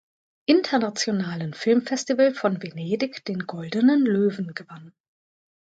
Internationalen Filmfestival von Venedig den Goldenen Löwen gewann.